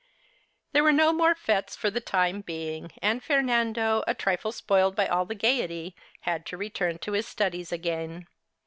There were no more fetes for the time being, and Fernando, a trifle spoiled by all the gaiety, had to return to his studies again.